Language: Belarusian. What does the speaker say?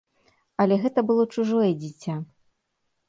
Але гэта было чужое дзіця.